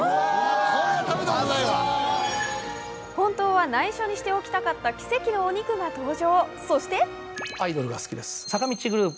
本当はないしょにしておきたかった奇跡のお肉が登場。